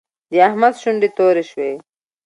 د احمد شونډې تورې شوې.